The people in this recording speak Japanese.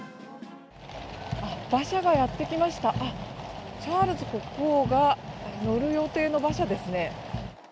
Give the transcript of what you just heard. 馬車がやってきました、チャールズ国王が乗る予定の馬車ですね。